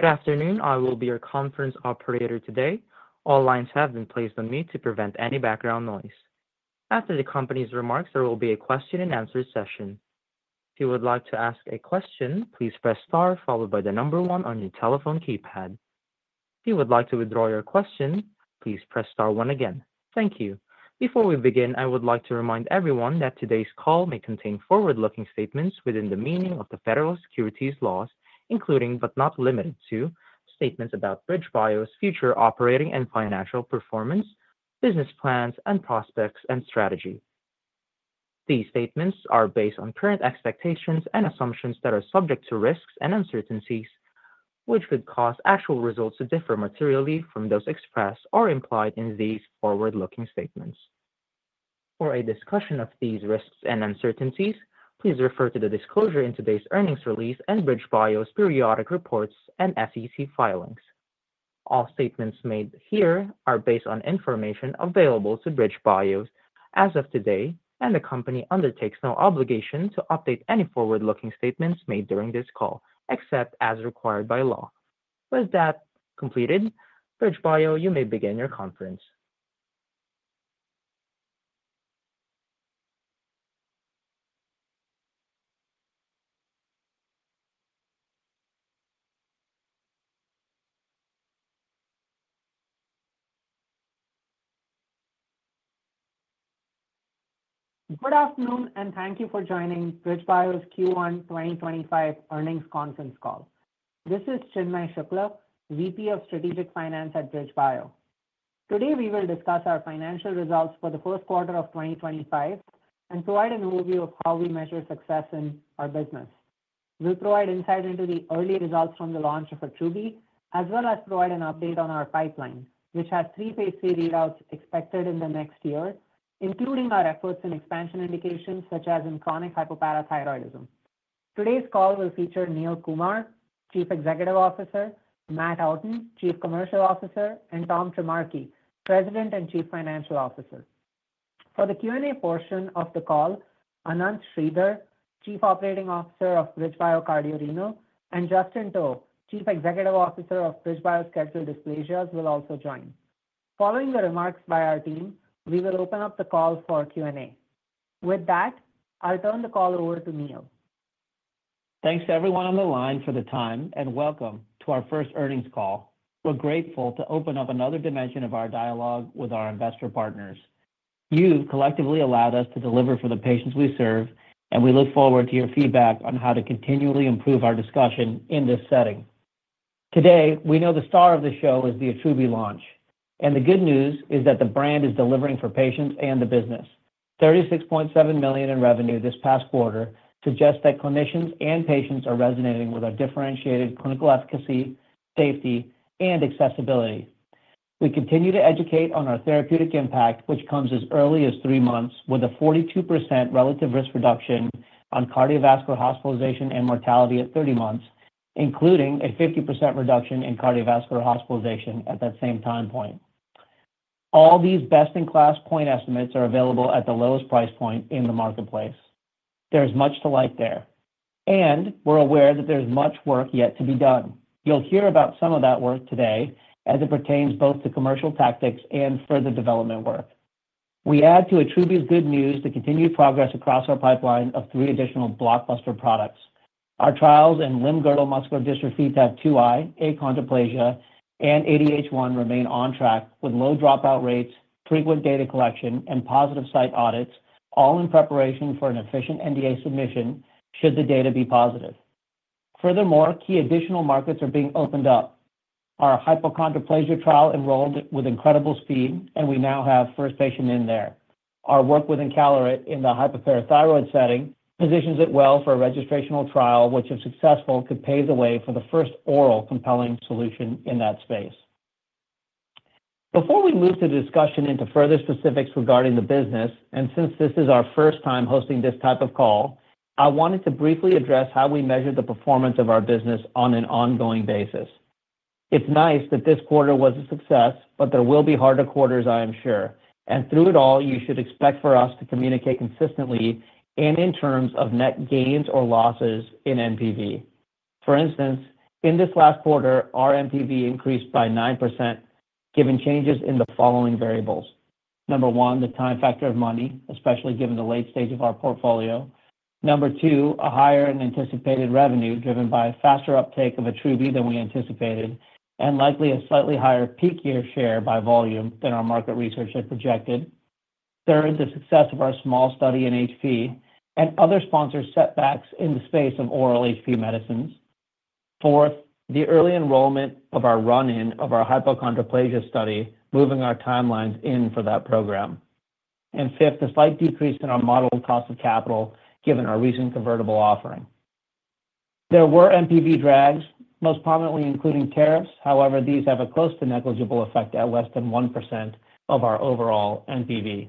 Good afternoon. I will be your conference operator today. All lines have been placed on mute to prevent any background noise. After the company's remarks, there will be a question-and-answer session. If you would like to ask a question, please press star followed by the number one on your telephone keypad. If you would like to withdraw your question, please press star one again. Thank you. Before we begin, I would like to remind everyone that today's call may contain forward-looking statements within the meaning of the federal securities laws, including but not limited to statements about BridgeBio Pharma's future operating and financial performance, business plans, prospects, and strategy. These statements are based on current expectations and assumptions that are subject to risks and uncertainties, which could cause actual results to differ materially from those expressed or implied in these forward-looking statements. For a discussion of these risks and uncertainties, please refer to the disclosure in today's earnings release and BridgeBio's periodic reports and SEC filings. All statements made here are based on information available to BridgeBio as of today, and the company undertakes no obligation to update any forward-looking statements made during this call, except as required by law. With that completed, BridgeBio, you may begin your conference. Good afternoon and thank you for joining BridgeBio's Q1 2025 earnings conference call. This is Chinmay Shukla, VP of Strategic Finance at BridgeBio. Today, we will discuss our financial results for the first quarter of 2025 and provide an overview of how we measure success in our business. We'll provide insight into the early results from the launch of Attruby, as well as provide an update on our pipeline, which has three phase three readouts expected in the next year, including our efforts in expansion indications such as in chronic hypoparathyroidism. Today's call will feature Neil Kumar, Chief Executive Officer; Matt Outten, Chief Commercial Officer; and Tom Trimarchi, President and Chief Financial Officer. For the Q&A portion of the call, Ananth Sridhar, Chief Operating Officer of BridgeBio Cardio Renal, and Justin To, Chief Executive Officer of BridgeBio Skeletal Dysplasia, will also join. Following the remarks by our team, we will open up the call for Q&A. With that, I'll turn the call over to Neil. Thanks to everyone on the line for the time, and welcome to our first earnings call. We're grateful to open up another dimension of our dialogue with our investor partners. You've collectively allowed us to deliver for the patients we serve, and we look forward to your feedback on how to continually improve our discussion in this setting. Today, we know the star of the show is the Attruby launch, and the good news is that the brand is delivering for patients and the business. $36.7 million in revenue this past quarter suggests that clinicians and patients are resonating with our differentiated clinical efficacy, safety, and accessibility. We continue to educate on our therapeutic impact, which comes as early as three months, with a 42% relative risk reduction on cardiovascular hospitalization and mortality at 30 months, including a 50% reduction in cardiovascular hospitalization at that same time point. All these best-in-class point estimates are available at the lowest price point in the marketplace. There is much to like there, and we're aware that there's much work yet to be done. You'll hear about some of that work today as it pertains both to commercial tactics and further development work. We add to Attruby's good news the continued progress across our pipeline of three additional blockbuster products. Our trials in limb-girdle muscular dystrophy type 2i, achondroplasia, and ADH1 remain on track with low dropout rates, frequent data collection, and positive site audits, all in preparation for an efficient NDA submission should the data be positive. Furthermore, key additional markets are being opened up. Our hypochondroplasia trial enrolled with incredible speed, and we now have first patient in there. Our work with encaleret in the hyperparathyroid setting positions it well for a registrational trial, which, if successful, could pave the way for the first oral compelling solution in that space. Before we move to discussion into further specifics regarding the business, and since this is our first time hosting this type of call, I wanted to briefly address how we measure the performance of our business on an ongoing basis. It's nice that this quarter was a success, there will be harder quarters, I am sure. Through it all, you should expect for us to communicate consistently and in terms of net gains or losses in NPV. For instance, in this last quarter, our NPV increased by 9%, given changes in the following variables. Number one, the time factor of money, especially given the late stage of our portfolio. Number two, a higher and anticipated revenue driven by a faster uptake of Attruby than we anticipated, and likely a slightly higher peak year share by volume than our market research had projected. Third, the success of our small study in HP and other sponsored setbacks in the space of oral HP medicines. Fourth, the early enrollment of our run-in of our hypochondroplasia study, moving our timelines in for that program. And fifth, the slight decrease in our modeled cost of capital, given our recent convertible offering. There were NPV drags, most prominently including tariffs; however, these have a close to negligible effect at less than 1% of our overall NPV.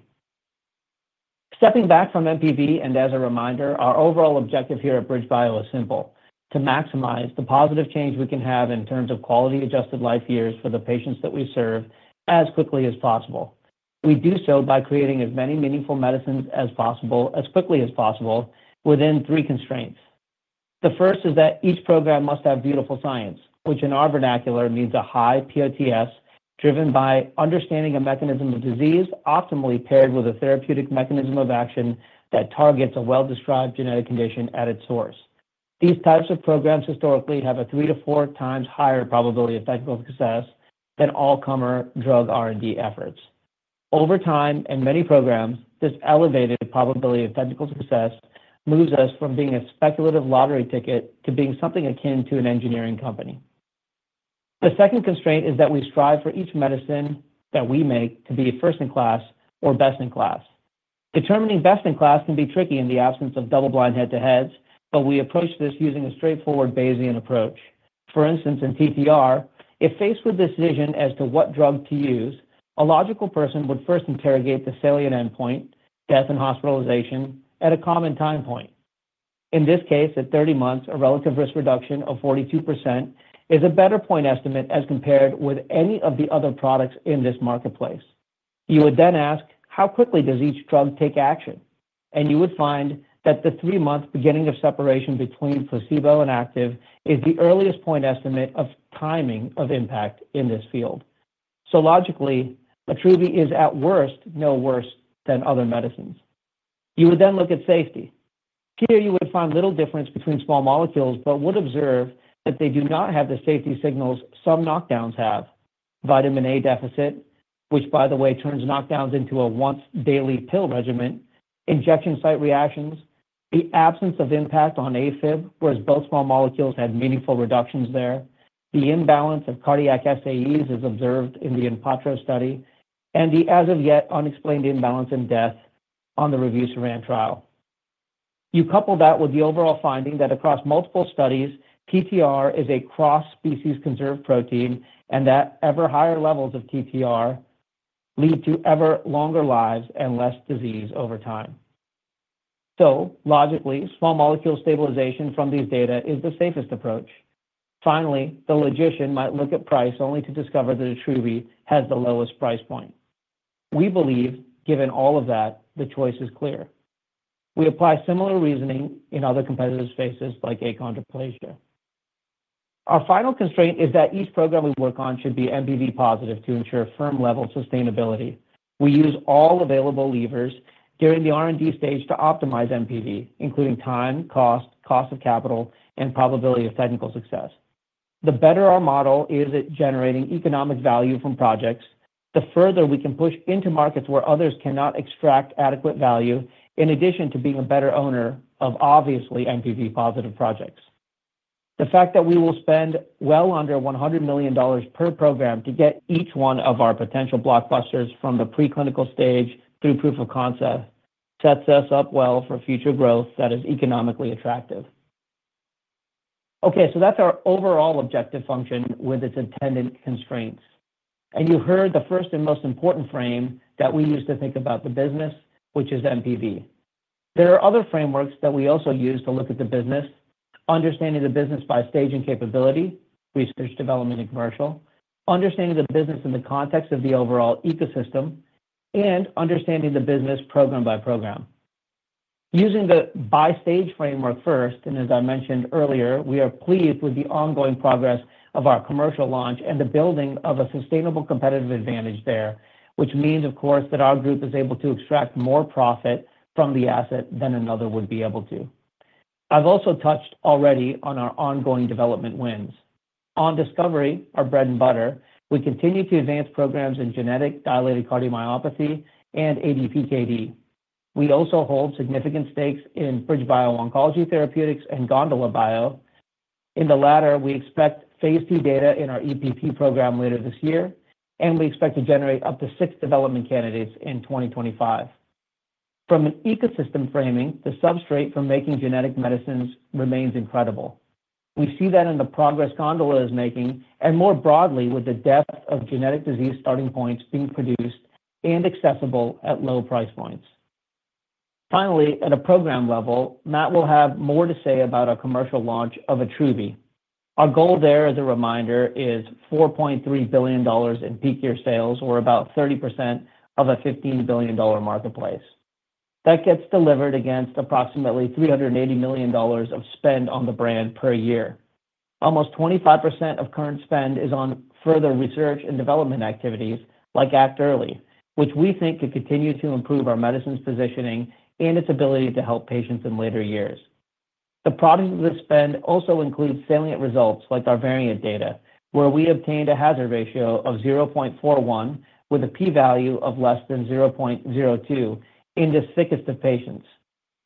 Stepping back from NPV, and as a reminder, our overall objective here at BridgeBio is simple: to maximize the positive change we can have in terms of quality-adjusted life years for the patients that we serve as quickly as possible. We do so by creating as many meaningful medicines as possible as quickly as possible within three constraints. The first is that each program must have beautiful science, which in our vernacular means a high PoTS driven by understanding a mechanism of disease, optimally paired with a therapeutic mechanism of action that targets a well-described genetic condition at its source. These types of programs historically have a three to four times higher probability of technical success than all-comer drug R&D efforts. Over time and many programs, this elevated probability of technical success moves us from being a speculative lottery ticket to being something akin to an engineering company. The second constraint is that we strive for each medicine that we make to be first-in-class or best-in-class. Determining best-in-class can be tricky in the absence of double-blind head-to-heads, but we approach this using a straightforward Bayesian approach. For instance, in TTR, if faced with decision as to what drug to use, a logical person would first interrogate the salient endpoint, death and hospitalization, at a common time point. In this case, at 30 months, a relative risk reduction of 42% is a better point estimate as compared with any of the other products in this marketplace. You would then ask, how quickly does each drug take action? You would find that the three-month beginning of separation between placebo and active is the earliest point estimate of timing of impact in this field. Logically, Attruby is at worst, no worse than other medicines. You would then look at safety. Here you would find little difference between small molecules, but would observe that they do not have the safety signals some knockdowns have: vitamin A deficit, which, by the way, turns knockdowns into a once-daily pill regimen, injection site reactions, the absence of impact on AFib, whereas both small molecules had meaningful reductions there, the imbalance of cardiac SAEs as observed in the Impatro study, and the as-of-yet unexplained imbalance in death on the Revue-Seran trial. You couple that with the overall finding that across multiple studies, TTR is a cross-species conserved protein, and that ever higher levels of TTR lead to ever longer lives and less disease over time. Logically, small molecule stabilization from these data is the safest approach. Finally, the logician might look at price only to discover that Attruby has the lowest price point. We believe, given all of that, the choice is clear. We apply similar reasoning in other competitive spaces like achondroplasia. Our final constraint is that each program we work on should be NPV positive to ensure firm-level sustainability. We use all available levers during the R&D stage to optimize NPV, including time, cost, cost of capital, and probability of technical success. The better our model is at generating economic value from projects, the further we can push into markets where others cannot extract adequate value in addition to being a better owner of obviously NPV positive projects. The fact that we will spend well under $100 million per program to get each one of our potential blockbusters from the pre-clinical stage through proof of concept sets us up well for future growth that is economically attractive. Okay, so that's our overall objective function with its attendant constraints. You heard the first and most important frame that we use to think about the business, which is NPV. There are other frameworks that we also use to look at the business: understanding the business by stage and capability, research, development, and commercial; understanding the business in the context of the overall ecosystem; and understanding the business program by program. Using the by-stage framework first, and as I mentioned earlier, we are pleased with the ongoing progress of our commercial launch and the building of a sustainable competitive advantage there, which means, of course, that our group is able to extract more profit from the asset than another would be able to. I have also touched already on our ongoing development wins. On discovery, our bread and butter, we continue to advance programs in genetic dilated cardiomyopathy and ADPKD. We also hold significant stakes in BridgeBio Oncology Therapeutics and GondolaBio. In the latter, we expect phase two data in our EPP program later this year, and we expect to generate up to six development candidates in 2025. From an ecosystem framing, the substrate for making genetic medicines remains incredible. We see that in the progress GondolaBio is making, and more broadly with the depth of genetic disease starting points being produced and accessible at low price points. Finally, at a program level, Matt will have more to say about our commercial launch of Attruby. Our goal there, as a reminder, is $4.3 billion in peak year sales, or about 30% of a $15 billion marketplace. That gets delivered against approximately $380 million of spend on the brand per year. Almost 25% of current spend is on further research and development activities like Act Early, which we think could continue to improve our medicine's positioning and its ability to help patients in later years. The product of this spend also includes salient results like our variant data, where we obtained a hazard ratio of 0.41 with a p-value of less than 0.02 in the sickest of patients.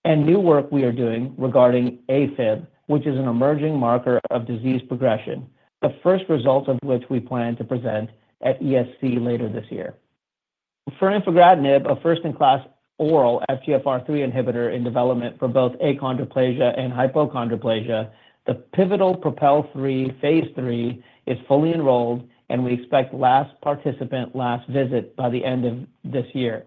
New work we are doing regarding AFib, which is an emerging marker of disease progression, the first results of which we plan to present at ESC later this year. For infogradinib, a first-in-class oral FGFR3 inhibitor in development for both achondroplasia and hypochondroplasia, the pivotal Propel III phase three is fully enrolled, and we expect last participant last visit by the end of this year.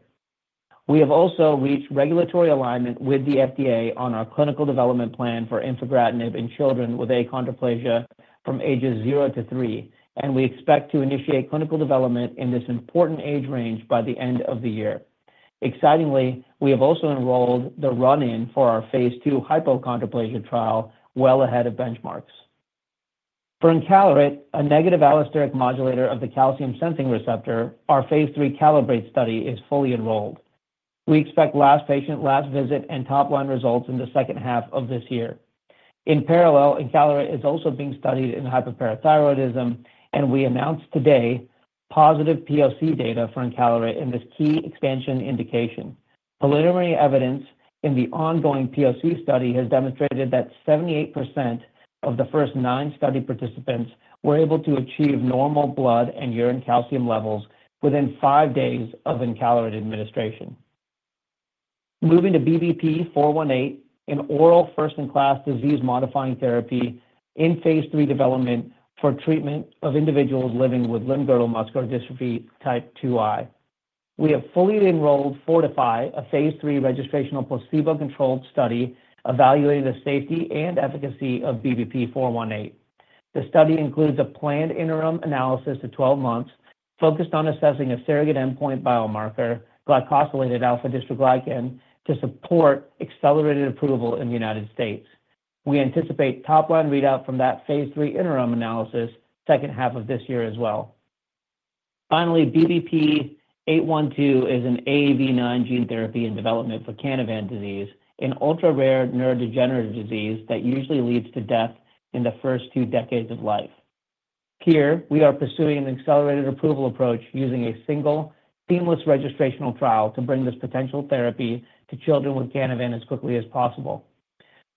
We have also reached regulatory alignment with the FDA on our clinical development plan for infigratinib in children with achondroplasia from ages zero to three, and we expect to initiate clinical development in this important age range by the end of the year. Excitingly, we have also enrolled the run-in for our phase two hypochondroplasia trial well ahead of benchmarks. For encaleret, a negative allosteric modulator of the calcium-sensing receptor, our phase three CALIBRATE study is fully enrolled. We expect last patient, last visit, and top-line results in the second half of this year. In parallel, encaleret is also being studied in hypoparathyroidism, and we announced today positive POC data for encaleret in this key expansion indication. Preliminary evidence in the ongoing POC study has demonstrated that 78% of the first nine study participants were able to achieve normal blood and urine calcium levels within five days of encaleret administration. Moving to BBP-418, an oral first-in-class disease-modifying therapy in phase three development for treatment of individuals living with limb-girdle muscular dystrophy type 2i. We have fully enrolled four to five of phase three registrational placebo-controlled study evaluating the safety and efficacy of BBP-418. The study includes a planned interim analysis to 12 months focused on assessing a surrogate endpoint biomarker, glycosylated alpha-dystroglycan, to support accelerated approval in the United States. We anticipate top-line readout from that phase three interim analysis second half of this year as well. Finally, BBP-812 is an AAV9 gene therapy in development for Canavan disease, an ultra-rare neurodegenerative disease that usually leads to death in the first two decades of life. Here, we are pursuing an accelerated approval approach using a single seamless registrational trial to bring this potential therapy to children with Canavan as quickly as possible.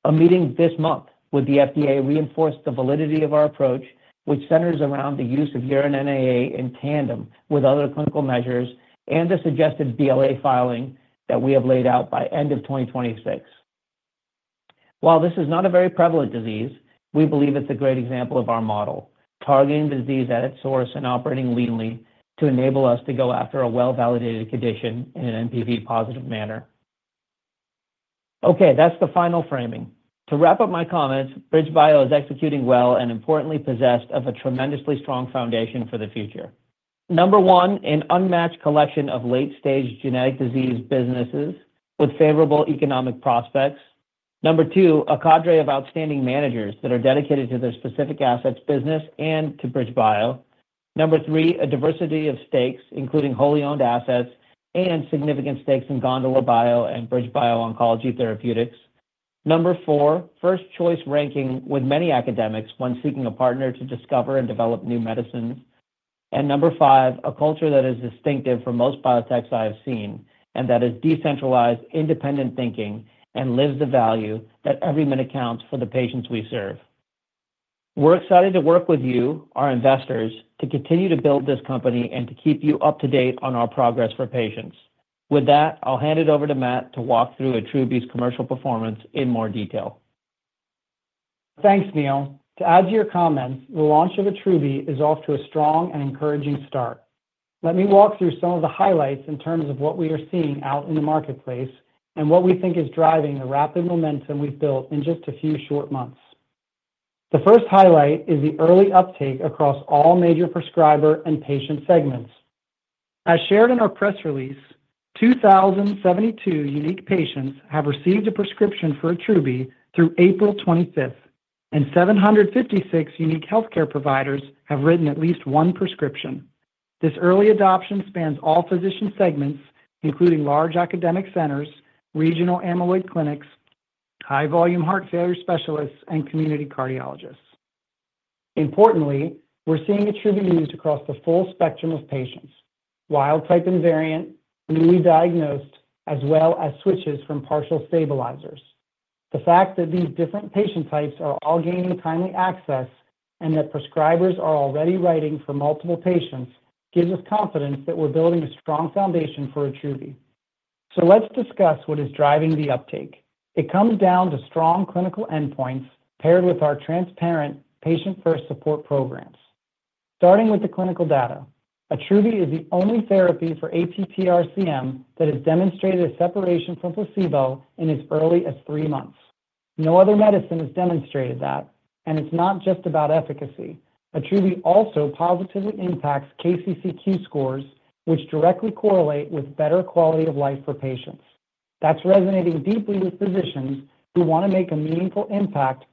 A meeting this month with the FDA reinforced the validity of our approach, which centers around the use of urine NAA in tandem with other clinical measures and the suggested BLA filing that we have laid out by end of 2026. While this is not a very prevalent disease, we believe it's a great example of our model, targeting the disease at its source and operating leanly to enable us to go after a well-validated condition in an NPV-positive manner. Okay, that's the final framing. To wrap up my comments, BridgeBio is executing well and importantly possessed of a tremendously strong foundation for the future. Number one, an unmatched collection of late-stage genetic disease businesses with favorable economic prospects. Number two, a cadre of outstanding managers that are dedicated to their specific assets business and to BridgeBio. Number three, a diversity of stakes, including wholly owned assets and significant stakes in GondolaBio and BridgeBio Oncology Therapeutics. Number four, first-choice ranking with many academics when seeking a partner to discover and develop new medicines. Number five, a culture that is distinctive from most biotechs I have seen and that is decentralized, independent thinking, and lives the value that every minute counts for the patients we serve. We're excited to work with you, our investors, to continue to build this company and to keep you up to date on our progress for patients. With that, I'll hand it over to Matt to walk through Attruby's commercial performance in more detail. Thanks, Neil. To add to your comments, the launch of Attruby is off to a strong and encouraging start. Let me walk through some of the highlights in terms of what we are seeing out in the marketplace and what we think is driving the rapid momentum we've built in just a few short months. The first highlight is the early uptake across all major prescriber and patient segments. As shared in our press release, 2,072 unique patients have received a prescription for Attruby through April 25th, and 756 unique healthcare providers have written at least one prescription. This early adoption spans all physician segments, including large academic centers, regional amyloid clinics, high-volume heart failure specialists, and community cardiologists. Importantly, we're seeing Attruby used across the full spectrum of patients: wild-type invariant, newly diagnosed, as well as switches from partial stabilizers. The fact that these different patient types are all gaining timely access and that prescribers are already writing for multiple patients gives us confidence that we're building a strong foundation for Attruby. Let's discuss what is driving the uptake. It comes down to strong clinical endpoints paired with our transparent patient-first support programs. Starting with the clinical data, Attruby is the only therapy for ATTR-CM that has demonstrated a separation from placebo in as early as three months. No other medicine has demonstrated that, and it's not just about efficacy. Attruby also positively impacts KCCQ scores, which directly correlate with better quality of life for patients. That's resonating deeply with physicians who want to make a meaningful impact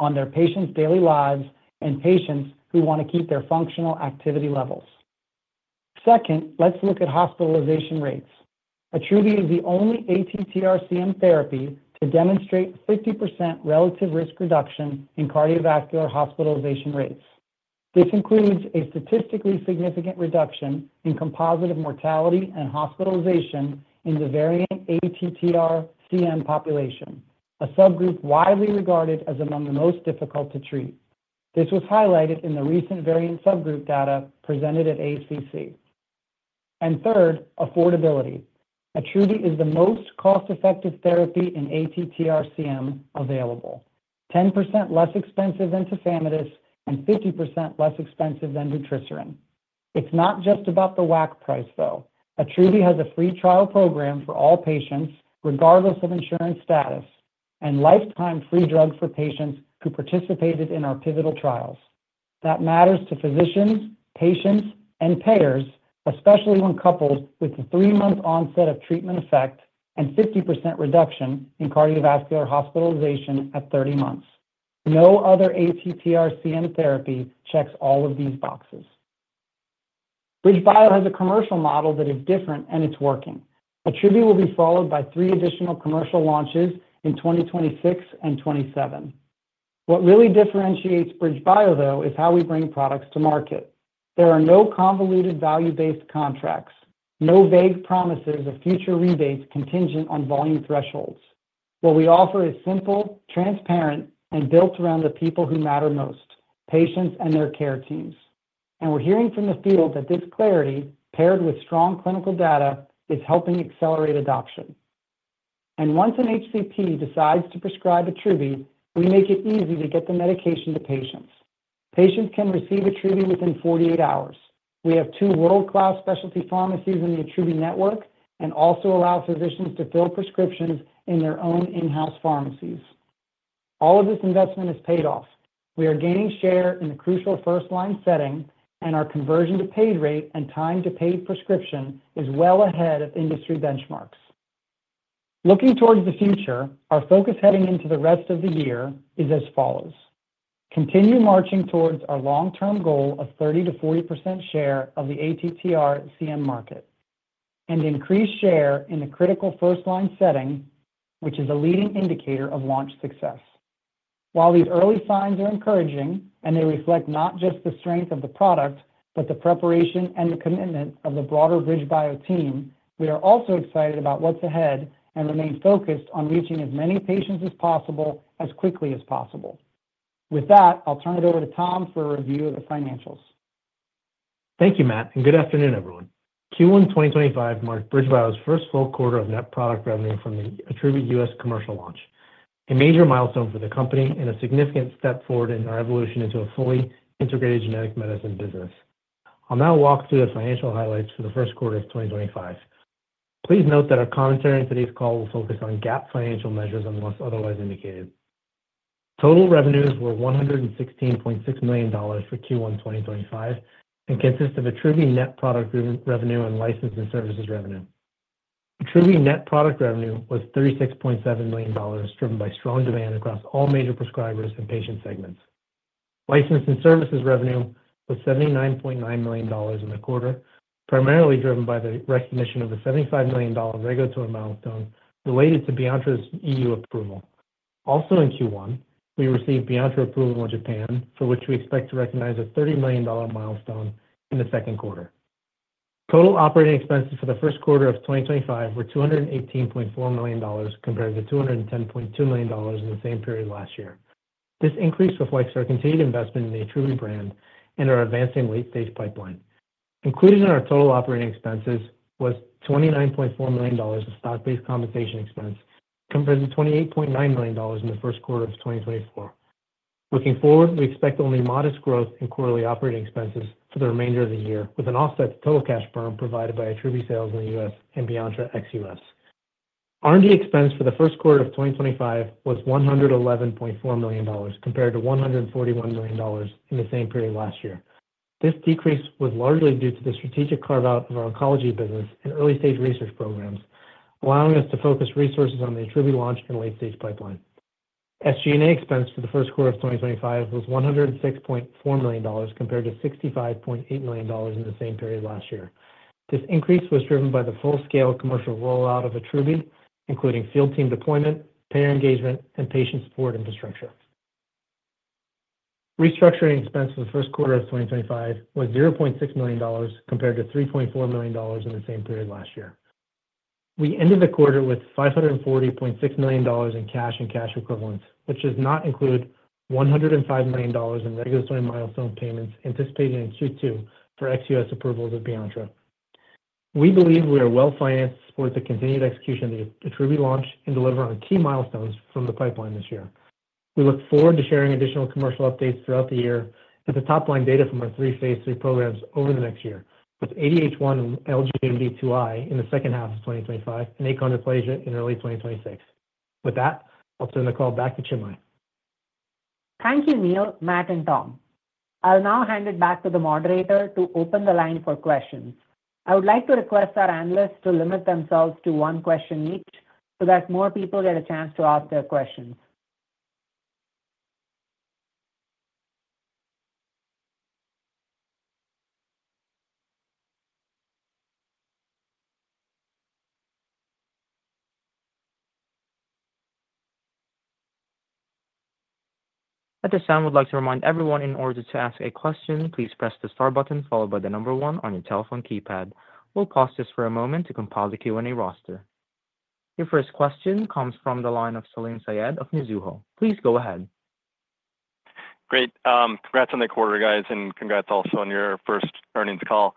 on their patients' daily lives and patients who want to keep their functional activity levels. Second, let's look at hospitalization rates. Attruby is the only ATTR-CM therapy to demonstrate 50% relative risk reduction in cardiovascular hospitalization rates. This includes a statistically significant reduction in composite mortality and hospitalization in the variant ATTR-CM population, a subgroup widely regarded as among the most difficult to treat. This was highlighted in the recent variant subgroup data presented at ACC. Third, affordability. Attruby is the most cost-effective therapy in ATTR-CM available: 10% less expensive than tafamidis and 50% less expensive than doTERRA Serin. It's not just about the whack price, though. Attruby has a free trial program for all patients, regardless of insurance status, and lifetime-free drug for patients who participated in our pivotal trials. That matters to physicians, patients, and payers, especially when coupled with the three-month onset of treatment effect and 50% reduction in cardiovascular hospitalization at 30 months. No other ATTR-CM therapy checks all of these boxes. BridgeBio has a commercial model that is different, and it's working. Attruby will be followed by three additional commercial launches in 2026 and 2027. What really differentiates BridgeBio, though, is how we bring products to market. There are no convoluted value-based contracts, no vague promises of future rebates contingent on volume thresholds. What we offer is simple, transparent, and built around the people who matter most: patients and their care teams. We are hearing from the field that this clarity, paired with strong clinical data, is helping accelerate adoption. Once an HCP decides to prescribe Attruby, we make it easy to get the medication to patients. Patients can receive Attruby within 48 hours. We have two world-class specialty pharmacies in the Attruby network and also allow physicians to fill prescriptions in their own in-house pharmacies. All of this investment is paid off. We are gaining share in the crucial first-line setting, and our conversion to paid rate and time to paid prescription is well ahead of industry benchmarks. Looking towards the future, our focus heading into the rest of the year is as follows: continue marching towards our long-term goal of 30-40% share of the ATTR-CM market and increase share in the critical first-line setting, which is a leading indicator of launch success. While these early signs are encouraging and they reflect not just the strength of the product, but the preparation and the commitment of the broader BridgeBio team, we are also excited about what's ahead and remain focused on reaching as many patients as possible as quickly as possible. With that, I'll turn it over to Tom for a review of the financials. Thank you, Matt, and good afternoon, everyone. Q1 2025 marked BridgeBio Pharma's first full quarter of net product revenue from the Attruby US commercial launch, a major milestone for the company and a significant step forward in our evolution into a fully integrated genetic medicine business. I'll now walk through the financial highlights for the first quarter of 2025. Please note that our commentary in today's call will focus on GAAP financial measures unless otherwise indicated. Total revenues were $116.6 million for Q1 2025 and consist of Attruby net product revenue and license and services revenue. Attruby net product revenue was $36.7 million, driven by strong demand across all major prescribers and patient segments. License and services revenue was $79.9 million in the quarter, primarily driven by the recognition of the $75 million regulatory milestone related to Attruby's EU approval. Also in Q1, we received Attruby approval in Japan, for which we expect to recognize a $30 million milestone in the second quarter. Total operating expenses for the first quarter of 2025 were $218.4 million, compared to $210.2 million in the same period last year. This increase reflects our continued investment in the Attruby brand and our advancing late-stage pipeline. Included in our total operating expenses was $29.4 million in stock-based compensation expense, compared to $28.9 million in the first quarter of 2024. Looking forward, we expect only modest growth in quarterly operating expenses for the remainder of the year, with an offset to total cash burn provided by Attruby sales in the US and Attruby ex-US. R&D expense for the first quarter of 2025 was $111.4 million, compared to $141 million in the same period last year. This decrease was largely due to the strategic carve-out of our oncology business and early-stage research programs, allowing us to focus resources on the Attruby launch and late-stage pipeline. SG&A expense for the first quarter of 2025 was $106.4 million, compared to $65.8 million in the same period last year. This increase was driven by the full-scale commercial rollout of Attruby, including field team deployment, payer engagement, and patient support infrastructure. Restructuring expense for the first quarter of 2025 was $0.6 million, compared to $3.4 million in the same period last year. We ended the quarter with $540.6 million in cash and cash equivalents, which does not include $105 million in regulatory milestone payments anticipated in Q2 for ex-US approvals of Attruby. We believe we are well-financed to support the continued execution of the Attruby launch and deliver on key milestones from the pipeline this year. We look forward to sharing additional commercial updates throughout the year and the top-line data from our three phase three programs over the next year, with ADH1 and LGMD2i in the second half of 2025 and achondroplasia in early 2026. With that, I'll turn the call back to Chinmay. Thank you, Neil, Matt, and Tom. I'll now hand it back to the moderator to open the line for questions. I would like to request our analysts to limit themselves to one question each so that more people get a chance to ask their questions. At this time, we'd like to remind everyone in order to ask a question, please press the star button followed by the number one on your telephone keypad. We'll pause this for a moment to compile the Q&A roster. Your first question comes from the line of Salim Syed of Mizuho. Please go ahead. Great. Congrats on the quarter, guys, and congrats also on your first earnings call.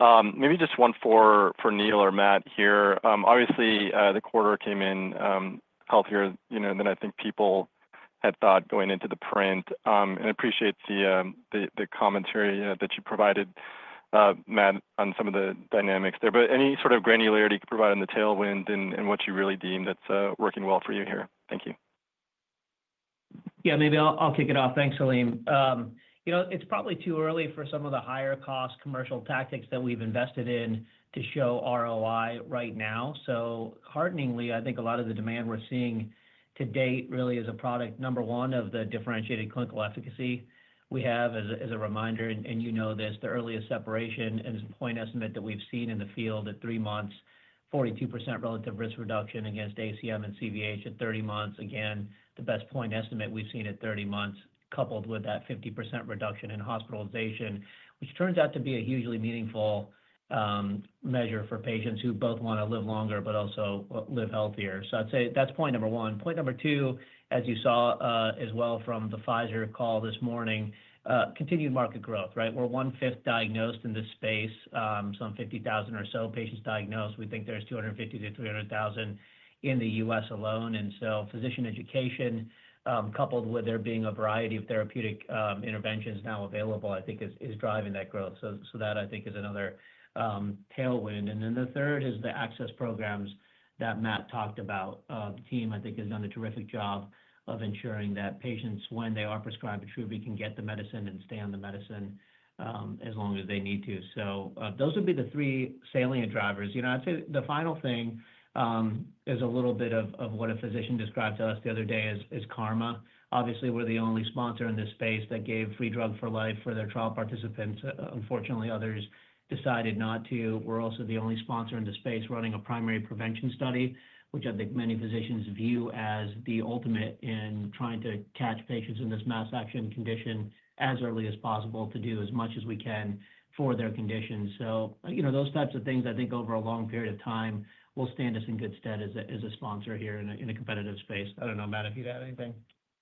Maybe just one for Neil or Matt here. Obviously, the quarter came in healthier than I think people had thought going into the print, and I appreciate the commentary that you provided, Matt, on some of the dynamics there. Any sort of granularity you could provide on the tailwind and what you really deemed that's working well for you here? Thank you. Yeah, maybe I'll kick it off. Thanks, Salim. It's probably too early for some of the higher-cost commercial tactics that we've invested in to show ROI right now. Hearteningly, I think a lot of the demand we're seeing to date really is a product number one of the differentiated clinical efficacy we have. As a reminder, and you know this, the earliest separation and point estimate that we've seen in the field at three months, 42% relative risk reduction against ACM and CVH at 30 months. Again, the best point estimate we've seen at 30 months, coupled with that 50% reduction in hospitalization, which turns out to be a hugely meaningful measure for patients who both want to live longer but also live healthier. I'd say that's point number one. Point number two, as you saw as well from the Pfizer call this morning, continued market growth, right? We're one-fifth diagnosed in this space, some 50,000 or so patients diagnosed. We think there's 250,000 to 300,000 in the U.S. alone. Physician education, coupled with there being a variety of therapeutic interventions now available, I think is driving that growth. That, I think, is another tailwind. The third is the access programs that Matt talked about. The team, I think, has done a terrific job of ensuring that patients, when they are prescribed Attruby, can get the medicine and stay on the medicine as long as they need to. Those would be the three salient drivers. I'd say the final thing is a little bit of what a physician described to us the other day as karma. Obviously, we're the only sponsor in this space that gave free drug for life for their trial participants. Unfortunately, others decided not to. We're also the only sponsor in the space running a primary prevention study, which I think many physicians view as the ultimate in trying to catch patients in this mass action condition as early as possible to do as much as we can for their conditions. Those types of things, I think, over a long period of time will stand us in good stead as a sponsor here in a competitive space. I don't know, Matt, if you'd add anything.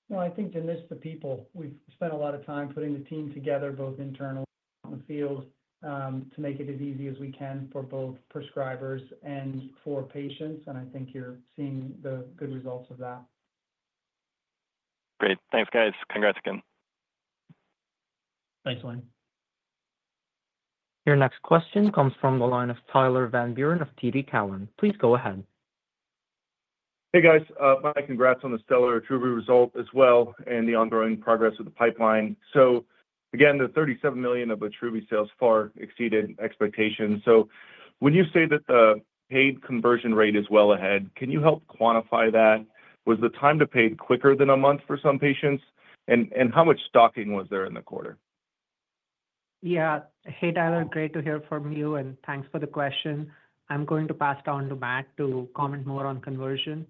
No, I think to miss the people. We've spent a lot of time putting the team together, both internal and out in the field, to make it as easy as we can for both prescribers and for patients. I think you're seeing the good results of that. Great. Thanks, guys. Congrats again. Thanks, Neil. Your next question comes from the line of Tyler Van Buren of TD Cowen. Please go ahead. Hey, guys. My congrats on the stellar Attruby result as well and the ongoing progress of the pipeline. Again, the $37 million of Attruby sales far exceeded expectations. When you say that the paid conversion rate is well ahead, can you help quantify that? Was the time to paid quicker than a month for some patients? And how much stocking was there in the quarter? Yeah. Hey, Tyler, great to hear from you. Thanks for the question. I'm going to pass it on to Matt to comment more on conversion.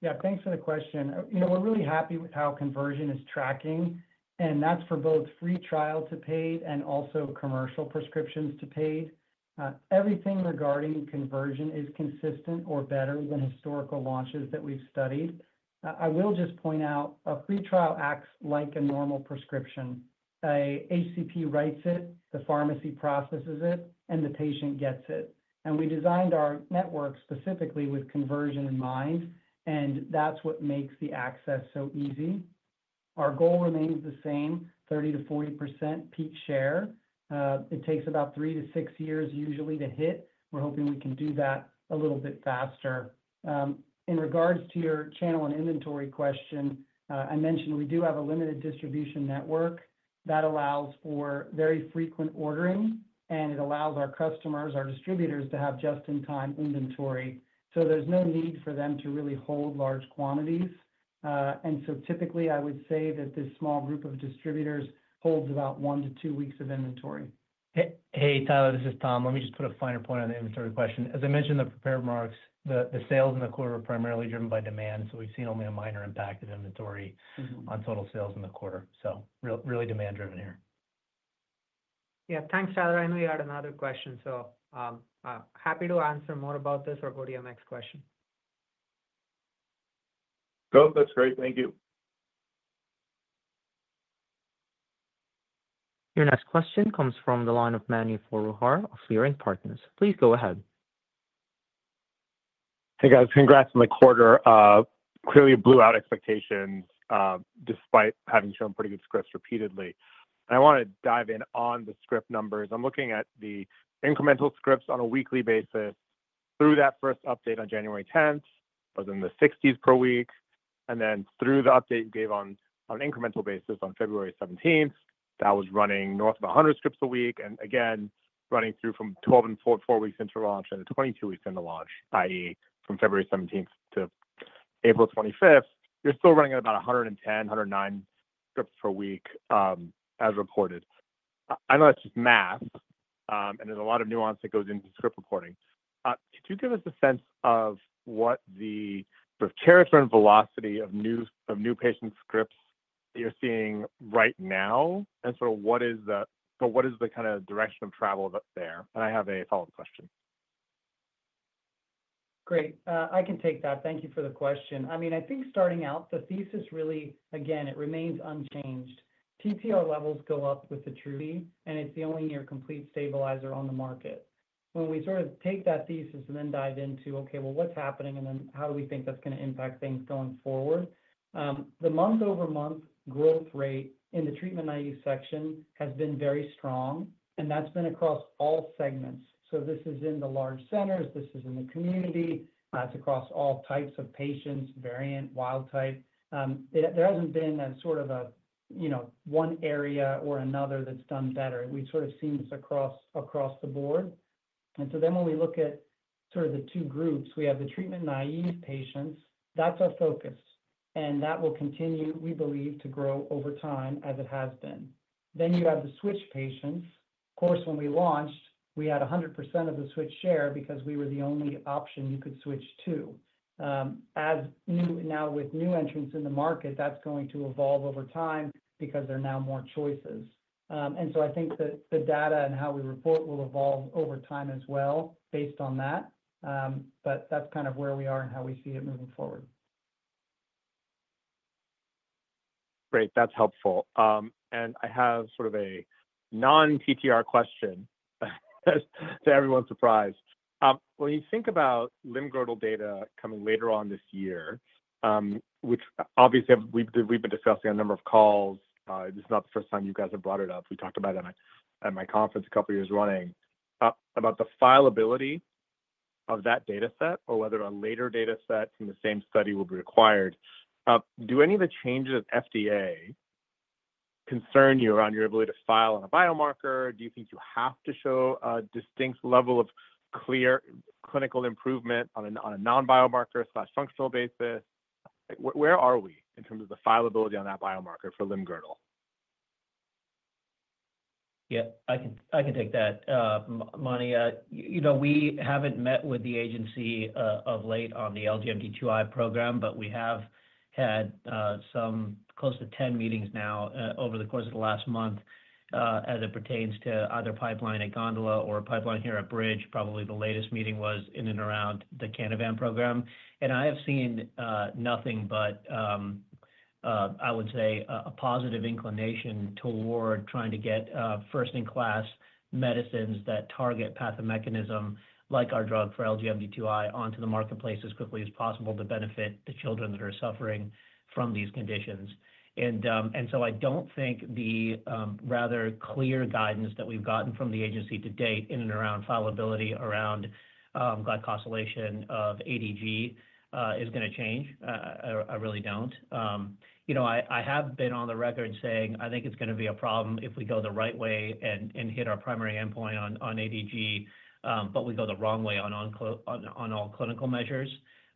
Yeah, thanks for the question. We're really happy with how conversion is tracking. That's for both free trial to paid and also commercial prescriptions to paid. Everything regarding conversion is consistent or better than historical launches that we've studied. I will just point out a free trial acts like a normal prescription. An HCP writes it, the pharmacy processes it, and the patient gets it. We designed our network specifically with conversion in mind, and that's what makes the access so easy. Our goal remains the same: 30-40% peak share. It takes about three to six years usually to hit. We're hoping we can do that a little bit faster. In regards to your channel and inventory question, I mentioned we do have a limited distribution network that allows for very frequent ordering, and it allows our customers, our distributors, to have just-in-time inventory. There is no need for them to really hold large quantities. Typically, I would say that this small group of distributors holds about one to two weeks of inventory. Hey, Tyler, this is Tom. Let me just put a finer point on the inventory question. As I mentioned in the prepared remarks, the sales in the quarter are primarily driven by demand. We have seen only a minor impact of inventory on total sales in the quarter. It is really demand-driven here. Yeah, thanks, Tyler.I know you had another question. Happy to answer more about this or go to your next question. Nope, that's great. Thank you. Your next question comes from the line of Mani Foroohar, of Leerink Partners. Please go ahead. Hey, guys. Congrats on the quarter. Clearly, it blew out expectations despite having shown pretty good scripts repeatedly. I want to dive in on the script numbers. I'm looking at the incremental scripts on a weekly basis. Through that first update on January 10th, it was in the 60s per week. Through the update you gave on an incremental basis on February 17th, that was running north of 100 scripts a week. Again, running through from 12 and 4 weeks into launch and the 22 weeks into launch, i.e., from February 17th to April 25th, you're still running at about 110, 109 scripts per week as reported. I know that's just math, and there's a lot of nuance that goes into script reporting. Could you give us a sense of what the sort of character and velocity of new patient scripts that you're seeing right now, and sort of what is the kind of direction of travel there? I have a follow-up question. Great. I can take that. Thank you for the question. I mean, I think starting out, the thesis really, again, it remains unchanged. PPR levels go up with Attruby, and it's the only near-complete stabilizer on the market. When we sort of take that thesis and then dive into, okay, what's happening, and then how do we think that's going to impact things going forward? The month-over-month growth rate in the treatment naive section has been very strong, and that's been across all segments. This is in the large centers. This is in the community. It's across all types of patients, variant, wild type. There hasn't been sort of one area or another that's done better. We've sort of seen this across the board. When we look at sort of the two groups, we have the treatment naive patients. That's our focus. That will continue, we believe, to grow over time as it has been. Then you have the switch patients. Of course, when we launched, we had 100% of the switch share because we were the only option you could switch to. As now with new entrants in the market, that's going to evolve over time because there are now more choices. I think that the data and how we report will evolve over time as well based on that. That's kind of where we are and how we see it moving forward. Great. That's helpful. I have sort of a non-PPR question to everyone's surprise. When you think about limb girdle data coming later on this year, which obviously we've been discussing a number of calls, this is not the first time you guys have brought it up. We talked about it at my conference a couple of years running about the fileability of that data set or whether a later data set from the same study will be required. Do any of the changes at FDA concern you around your ability to file on a biomarker? Do you think you have to show a distinct level of clear clinical improvement on a non-biomarker/functional basis? Where are we in terms of the fileability on that biomarker for limb girdle? Yeah, I can take that. Mani, we haven't met with the agency of late on the LGMD2i program, but we have had some close to 10 meetings now over the course of the last month as it pertains to either pipeline at GondolaBio or pipeline here at BridgeBio. Probably the latest meeting was in and around the Canavan program. I have seen nothing but, I would say, a positive inclination toward trying to get first-in-class medicines that target pathomechanism like our drug for LGMD2i onto the marketplace as quickly as possible to benefit the children that are suffering from these conditions. I do not think the rather clear guidance that we have gotten from the agency to date in and around fileability around glycosylation of ADG is going to change. I really do not. I have been on the record saying I think it is going to be a problem if we go the right way and hit our primary endpoint on ADG, but we go the wrong way on all clinical measures.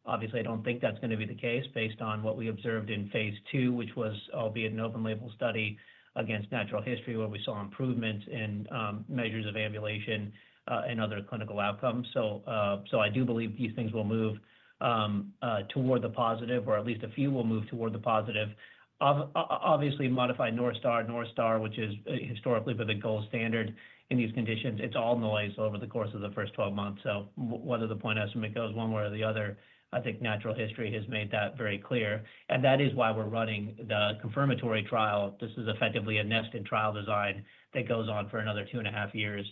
Obviously, I don't think that's going to be the case based on what we observed in phase two, which was albeit an open-label study against natural history where we saw improvements in measures of ambulation and other clinical outcomes. I do believe these things will move toward the positive, or at least a few will move toward the positive. Obviously, modified Norstar, Norstar, which has historically been the gold standard in these conditions, it's all noise over the course of the first 12 months. Whether the point estimate goes one way or the other, I think natural history has made that very clear. That is why we're running the confirmatory trial. This is effectively a nested trial design that goes on for another two and a half years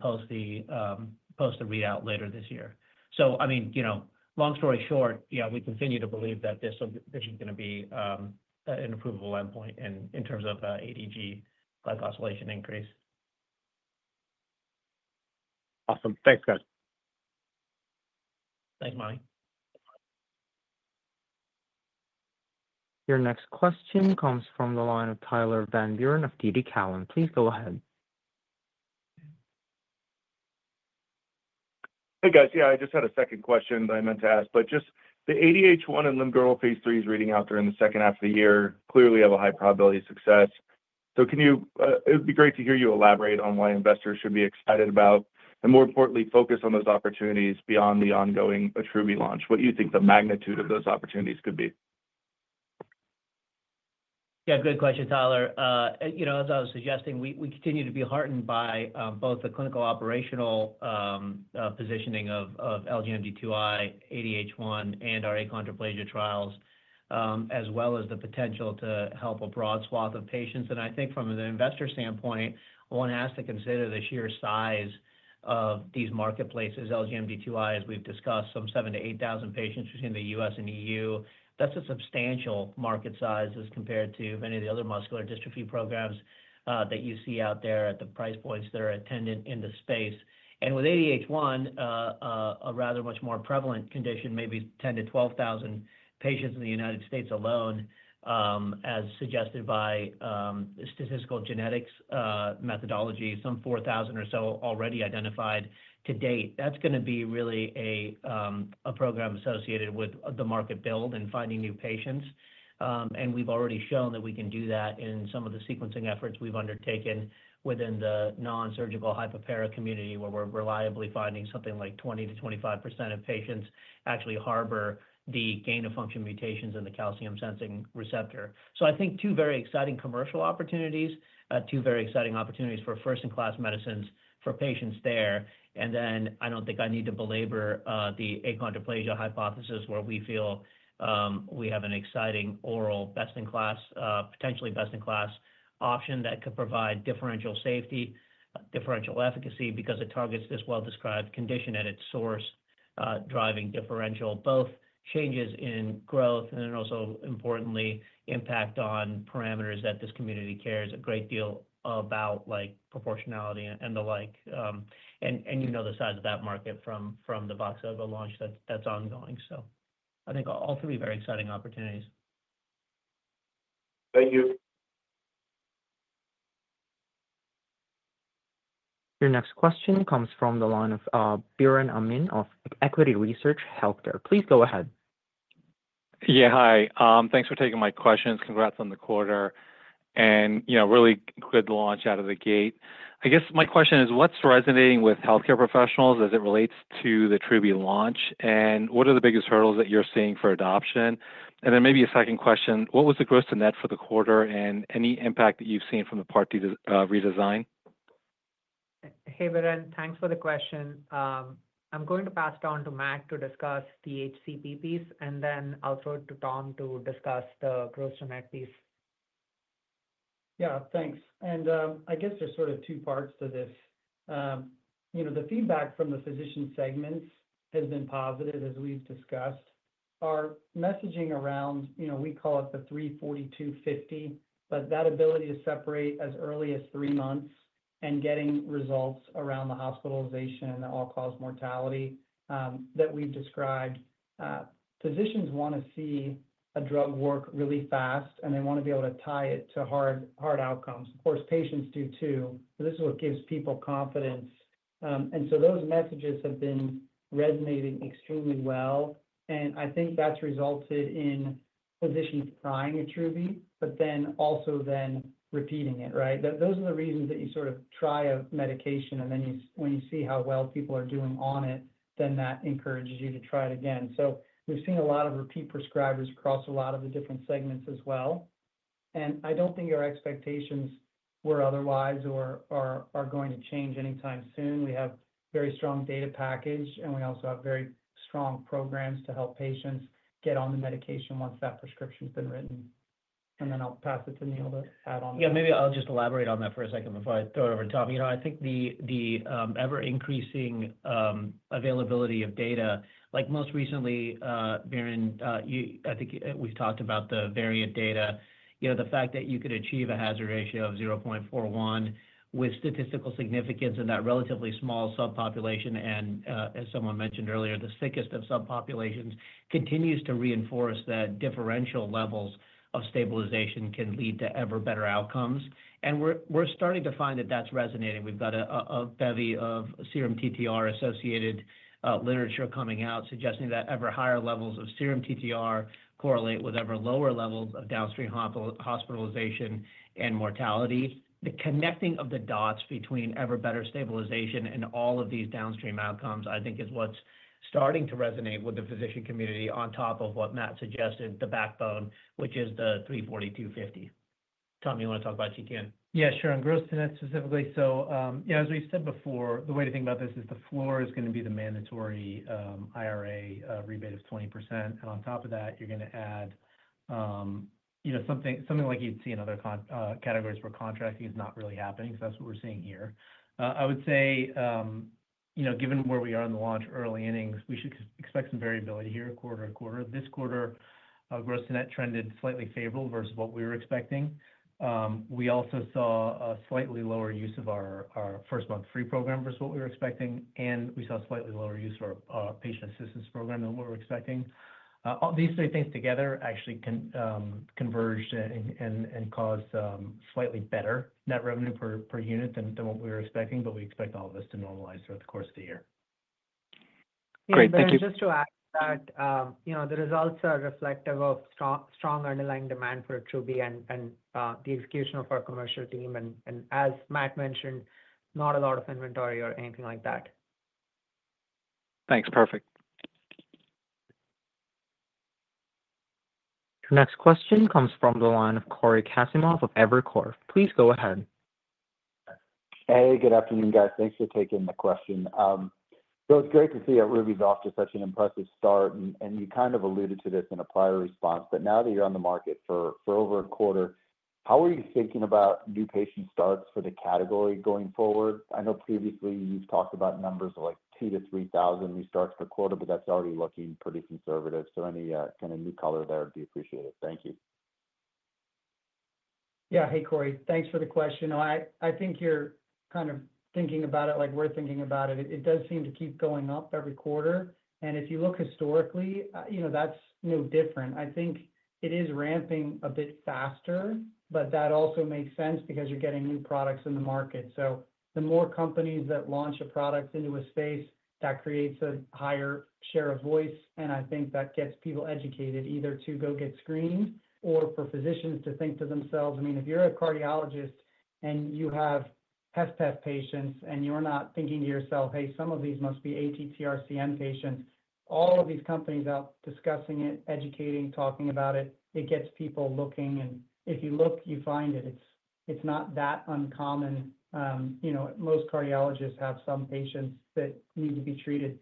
post the readout later this year. I mean, long story short, yeah, we continue to believe that this is going to be an improvable endpoint in terms of ADG glycosylation increase. Awesome. Thanks, guys. Thanks, Monica. Your next question comes from the line of Tyler Van Buren of TD Cowen. Please go ahead. Hey, guys. Yeah, I just had a second question that I meant to ask, but just the ADH1 and limb girdle phase three is reading out there in the second half of the year, clearly have a high probability of success. So it'd be great to hear you elaborate on why investors should be excited about, and more importantly, focus on those opportunities beyond the ongoing Attruby launch. What do you think the magnitude of those opportunities could be? Yeah, good question, Tyler. As I was suggesting, we continue to be heartened by both the clinical operational positioning of LGMD2i, ADH1, and our achondroplasia trials, as well as the potential to help a broad swath of patients. I think from an investor standpoint, one has to consider the sheer size of these marketplaces. LGMD2i, as we've discussed, some 7,000-8,000 patients between the US and EU. That's a substantial market size as compared to many of the other muscular dystrophy programs that you see out there at the price points that are attendant in the space. With ADH1, a rather much more prevalent condition, maybe 10,000-12,000 patients in the United States alone, as suggested by statistical genetics methodology, some 4,000 or so already identified to date. That's going to be really a program associated with the market build and finding new patients. We have already shown that we can do that in some of the sequencing efforts we have undertaken within the non-surgical hyperpara community, where we are reliably finding something like 20%-25% of patients actually harbor the gain-of-function mutations in the calcium-sensing receptor. I think two very exciting commercial opportunities, two very exciting opportunities for first-in-class medicines for patients there. I do not think I need to belabor the achondroplasia hypothesis where we feel we have an exciting oral potentially best-in-class option that could provide differential safety, differential efficacy because it targets this well-described condition at its source, driving differential, both changes in growth and also, importantly, impact on parameters that this community cares a great deal about, like proportionality and the like. You know the size of that market from the VoxOva launch that is ongoing. I think all three very exciting opportunities. Thank you. Your next question comes from the line of Biren Amin of Equity Research Healthcare. Please go ahead. Yeah, hi. Thanks for taking my questions. Congrats on the quarter. Really good launch out of the gate. I guess my question is, what's resonating with healthcare professionals as it relates to the Attruby launch? What are the biggest hurdles that you're seeing for adoption? Maybe a second question, what was the gross to net for the quarter and any impact that you've seen from the part redesign? Hey, Biren, thanks for the question. I'm going to pass it on to Matt to discuss the HCP piece, and then I'll throw it to Tom to discuss the gross to net piece. Yeah, thanks. I guess there's sort of two parts to this. The feedback from the physician segments has been positive, as we've discussed. Our messaging around, we call it the 34250, but that ability to separate as early as three months and getting results around the hospitalization and the all-cause mortality that we've described, physicians want to see a drug work really fast, and they want to be able to tie it to hard outcomes. Of course, patients do too, but this is what gives people confidence. Those messages have been resonating extremely well. I think that's resulted in physicians trying Attruby, but then also then repeating it, right? Those are the reasons that you sort of try a medication, and then when you see how well people are doing on it, that encourages you to try it again. We have seen a lot of repeat prescribers across a lot of the different segments as well. I do not think our expectations were otherwise or are going to change anytime soon. We have very strong data package, and we also have very strong programs to help patients get on the medication once that prescription's been written. I'll pass it to Neil to add on that. Maybe I'll just elaborate on that for a second before I throw it over to Tom. I think the ever-increasing availability of data, like most recently, Biren, I think we've talked about the variant data, the fact that you could achieve a hazard ratio of 0.41 with statistical significance in that relatively small subpopulation, and as someone mentioned earlier, the sickest of subpopulations continues to reinforce that differential levels of stabilization can lead to ever better outcomes. We're starting to find that that's resonating. We've got a bevy of serum TTR-associated literature coming out suggesting that ever higher levels of serum TTR correlate with ever lower levels of downstream hospitalization and mortality. The connecting of the dots between ever better stabilization and all of these downstream outcomes, I think, is what's starting to resonate with the physician community on top of what Matt suggested, the backbone, which is the 34250. Tom, you want to talk about GCAN? Yeah, sure. On gross to net specifically, as we've said before, the way to think about this is the floor is going to be the mandatory IRA rebate of 20%. On top of that, you're going to add something like you'd see in other categories where contracting is not really happening. That's what we're seeing here. I would say, given where we are in the launch early innings, we should expect some variability here quarter to quarter. This quarter, gross to net trended slightly favorable versus what we were expecting. We also saw a slightly lower use of our first-month free program versus what we were expecting. We saw a slightly lower use of our patient assistance program than what we were expecting. These three things together actually converged and caused slightly better net revenue per unit than what we were expecting, but we expect all of this to normalize throughout the course of the year. Great. Thank you. Just to add to that, the results are reflective of strong underlying demand for Attruby and the execution of our commercial team. As Matt mentioned, not a lot of inventory or anything like that. Thanks. Perfect. Your next question comes from the line of Cory Kasimov of Evercore. Please go ahead. Hey, good afternoon, guys. Thanks for taking the question. It is great to see Attruby is off to such an impressive start. You kind of alluded to this in a prior response, but now that you are on the market for over a quarter, how are you thinking about new patient starts for the category going forward? I know previously you have talked about numbers of like 2,000-3,000 new starts per quarter, but that is already looking pretty conservative. Any kind of new color there would be appreciated. Thank you. Yeah. Hey, Cory. Thanks for the question. I think you are kind of thinking about it like we are thinking about it. It does seem to keep going up every quarter. If you look historically, that is no different. I think it is ramping a bit faster, but that also makes sense because you're getting new products in the market. The more companies that launch a product into a space, that creates a higher share of voice. I think that gets people educated either to go get screened or for physicians to think to themselves. I mean, if you're a cardiologist and you have HFpEF patients and you're not thinking to yourself, "Hey, some of these must be ATTR-CM patients," all of these companies out discussing it, educating, talking about it, it gets people looking. If you look, you find it. It's not that uncommon. Most cardiologists have some patients that need to be treated.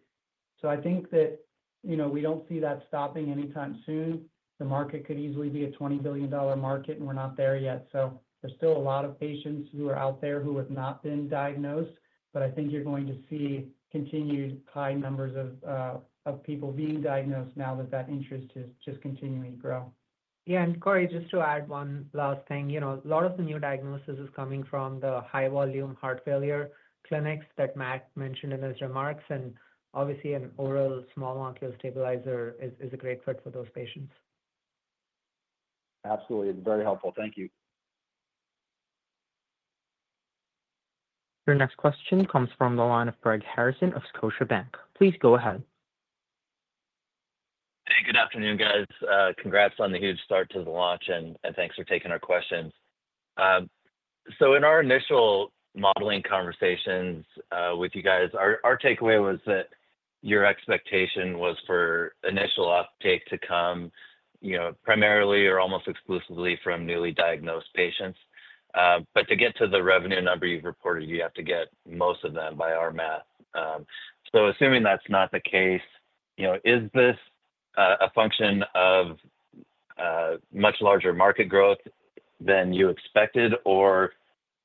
I think that we don't see that stopping anytime soon. The market could easily be a $20 billion market, and we're not there yet. There is still a lot of patients who are out there who have not been diagnosed, but I think you're going to see continued high numbers of people being diagnosed now that that interest is just continuing to grow. Yeah. Cory, just to add one last thing. A lot of the new diagnosis is coming from the high-volume heart failure clinics that Matt mentioned in his remarks. Obviously, an oral small molecule stabilizer is a great fit for those patients. Absolutely. It's very helpful. Thank you. Your next question comes from the line of Greg Harrison of Scotiabank. Please go ahead. Hey, good afternoon, guys. Congrats on the huge start to the launch, and thanks for taking our questions. In our initial modeling conversations with you guys, our takeaway was that your expectation was for initial uptake to come primarily or almost exclusively from newly diagnosed patients. To get to the revenue number you have reported, you have to get most of them by our math. Assuming that is not the case, is this a function of much larger market growth than you expected, or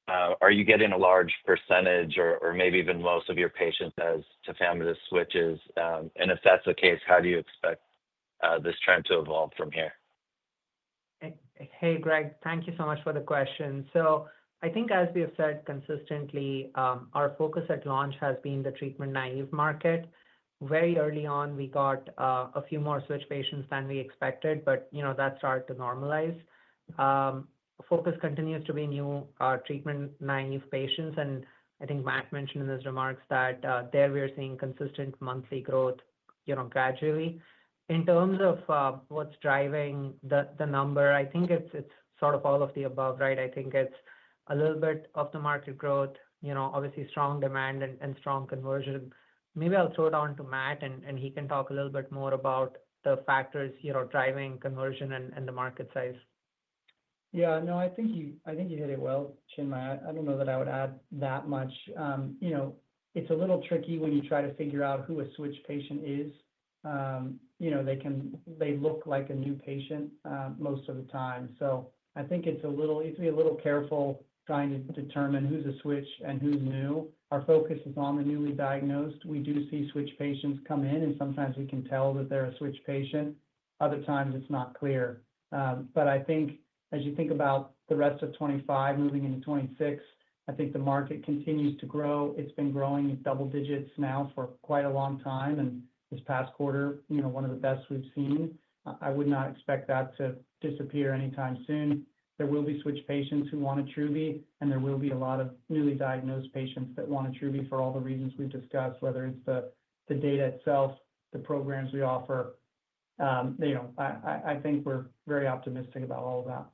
are you getting a large percentage or maybe even most of your patients as tafamidis switches? If that is the case, how do you expect this trend to evolve from here? Hey, Greg, thank you so much for the question. I think, as we have said consistently, our focus at launch has been the treatment naive market. Very early on, we got a few more switch patients than we expected, but that started to normalize. Focus continues to be new treatment naive patients. I think Matt mentioned in his remarks that there we are seeing consistent monthly growth gradually. In terms of what's driving the number, I think it's sort of all of the above, right? I think it's a little bit of the market growth, obviously strong demand and strong conversion. Maybe I'll throw it on to Matt, and he can talk a little bit more about the factors driving conversion and the market size. Yeah. No, I think you hit it well, Chinmay. I don't know that I would add that much. It's a little tricky when you try to figure out who a switch patient is. They look like a new patient most of the time. I think it's a little careful trying to determine who's a switch and who's new. Our focus is on the newly diagnosed. We do see switch patients come in, and sometimes we can tell that they're a switch patient. Other times, it's not clear. I think as you think about the rest of 2025 moving into 2026, I think the market continues to grow. It's been growing double digits now for quite a long time, and this past quarter, one of the best we've seen. I would not expect that to disappear anytime soon. There will be switch patients who want Attruby, and there will be a lot of newly diagnosed patients that want Attruby for all the reasons we've discussed, whether it's the data itself, the programs we offer. I think we're very optimistic about all of that.